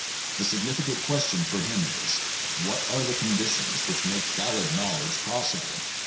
The significant question for him is, "What are the conditions which make valid knowledge possible?"